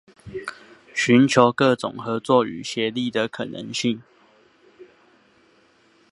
尋求各種合作與協力的可能性